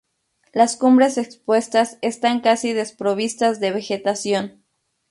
Las cumbres expuestas están casi desprovistas de vegetación.